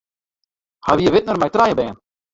Hy wie widner mei trije bern.